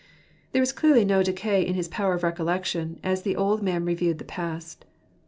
There was clearly no decay in his power of recollection, as the old man reviewed the past.